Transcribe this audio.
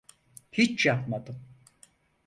Hiç yapmadım.